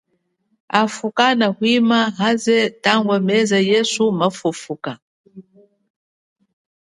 Hafu kana hwima, tangwa meza yesu waze hakufa muhumwene mwena ma fufuka.